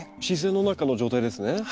自然の中の状態ですね。